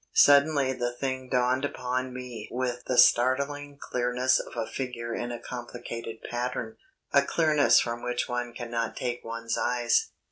Suddenly the thing dawned upon me with the startling clearness of a figure in a complicated pattern a clearness from which one cannot take one's eyes.